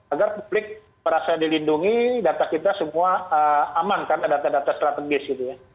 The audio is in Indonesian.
agar publik merasa dilindungi data kita semua aman karena data data strategis gitu ya